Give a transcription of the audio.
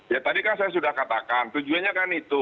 ya tadi kan saya sudah katakan tujuannya kan itu